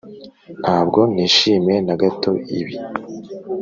ntabwo nishimiye na gato ibi.